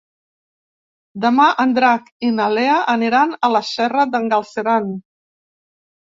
Demà en Drac i na Lea aniran a la Serra d'en Galceran.